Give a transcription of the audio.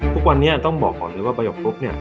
ทุกวันนี้ต้องบอกก่อนเลยว่าประโยคปุ๊บเนี่ย